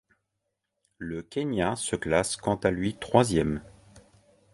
Le Kenya se classe quant à lui troisième.